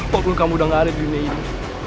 waktu kamu udah gak ada di dunia ini